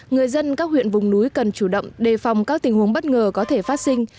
người dân các huyện vùng núi cần chủ động đề phòng các tình huống bất ngờ có thể phát sinh